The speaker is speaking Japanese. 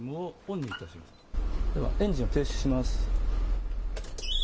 エンジンを停止します。